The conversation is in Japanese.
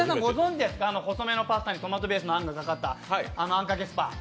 細めのパスタにトマトベースのあんがかかったあんかけスパ。